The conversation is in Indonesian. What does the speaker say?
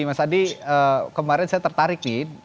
mas adi kemarin saya tertarik nih